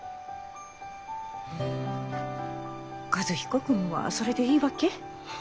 和彦君はそれでいいわけ？